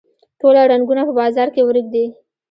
ټوله رنګونه په بازار کې ورک دي